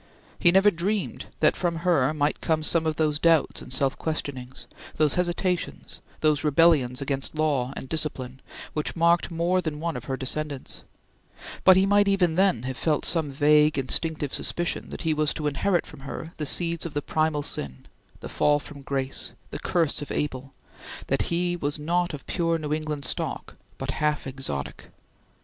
He never dreamed that from her might come some of those doubts and self questionings, those hesitations, those rebellions against law and discipline, which marked more than one of her descendants; but he might even then have felt some vague instinctive suspicion that he was to inherit from her the seeds of the primal sin, the fall from grace, the curse of Abel, that he was not of pure New England stock, but half exotic.